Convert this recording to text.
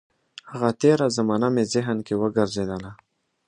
هغه تېره زمانه مې ذهن کې وګرځېدله.